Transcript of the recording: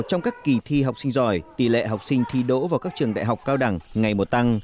trong các kỳ thi học sinh giỏi tỷ lệ học sinh thi đỗ vào các trường đại học cao đẳng ngày một tăng